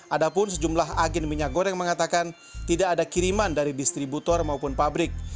ada pun sejumlah agen minyak goreng mengatakan tidak ada kiriman dari distributor maupun pabrik